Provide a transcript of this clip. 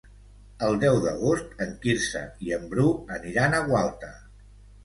El deu d'agost en Quirze i en Bru aniran a Gualta.